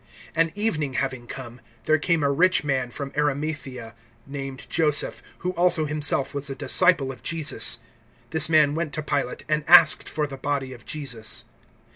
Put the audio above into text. (57)And evening having come, there came a rich man from Arimathaea, named Joseph, who also himself was a disciple of Jesus. (58)This man went to Pilate, and asked for the body of Jesus.